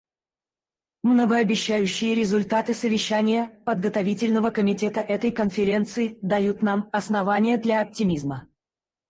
Многообещающие результаты совещания Подготовительного комитета этой Конференции дают нам основания для оптимизма.